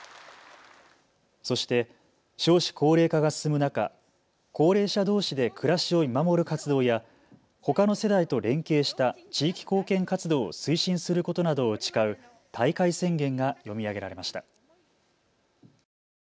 そして少子高齢化が進む中、高齢者どうしで暮らしを見守る活動やほかの世代と連携した地域貢献活動を推進することなどを誓う大会宣言が読み上げられました。